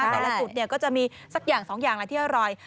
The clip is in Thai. แต่ละจุดก็จะมีสักอย่างสองอย่างละที่อร่อย